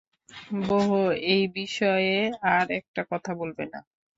বোহ, এই বিষয়ে আর একটা কথাও বলবে না!